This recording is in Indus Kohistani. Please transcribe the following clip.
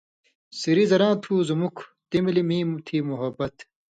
سِریۡ زراں تُھو زُمُوک تی ملیۡ میں تھی محبت